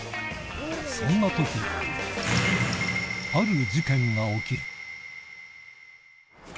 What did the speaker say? そんなとき、ある事件が起きる。